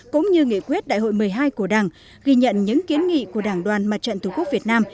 cũng như nghị quyết đại hội một mươi hai của đảng ghi nhận những kiến nghị của đảng đoàn mặt trận tổ quốc việt nam